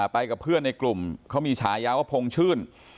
ไปกับเพื่อนในกลุ่มเขามีฉายาว่าพงชื่น